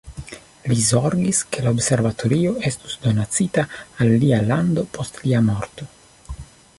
Li zorgis, ke la observatorio estu donacita al lia lando post lia morto.